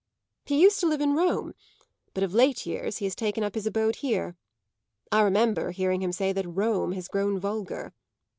He used to live in Rome; but of late years he has taken up his abode here; I remember hearing him say that Rome has grown vulgar.